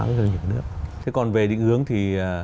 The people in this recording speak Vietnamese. của các doanh nghiệp nhà nước thế còn về định hướng thì